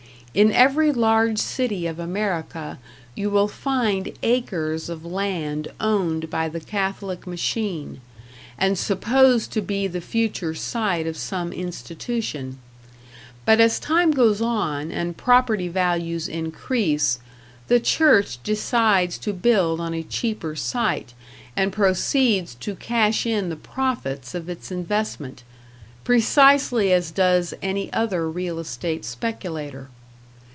In every large city of America you will find acres of land owned by the Catholic machine, and supposed to be the future site of some institution; but as time goes on and property values increase, the church decides to build on a cheaper site, and proceeds to cash in the profits of its investment, precisely as does any other real estate speculator.